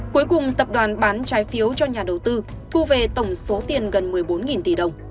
cuối cùng tập đoàn bán trái phiếu cho nhà đầu tư thu về tổng số tiền gần một mươi bốn tỷ đồng